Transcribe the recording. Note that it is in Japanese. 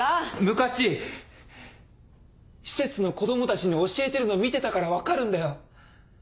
昔施設の子供たちに教えてるの見てたから分かるんだよ。